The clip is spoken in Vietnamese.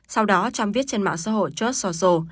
sau đó trump viết trên mạng xã hội justsoso